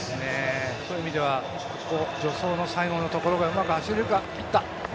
そういう意味では助走の最後のところがうまく走れるか。